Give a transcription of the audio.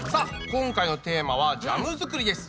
今回のテーマはジャム作りです。